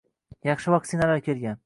Yaxshi vaksinalar kelgan.